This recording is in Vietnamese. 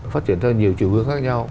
phát triển theo nhiều chiều hướng khác nhau